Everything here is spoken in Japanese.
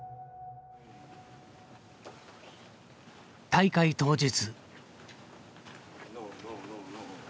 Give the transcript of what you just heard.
大会当日。